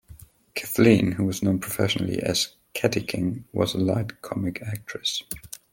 Kathleen, who was known professionally as "Katty King," was a light comic actress.